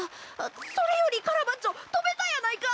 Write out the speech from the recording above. それよりカラバッチョとべたやないか！